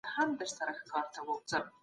دولت به په تعلیمي پروژو کي برخه واخلي.